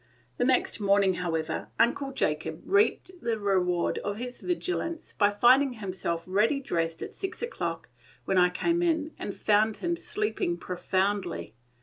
The next morning, however, Uncle Jacob reaped the reward of his vigilance by finding himself ready dressed at six o'clock, when I came in and found him sleeping profoundly.